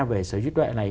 về sở hữu trí tuệ này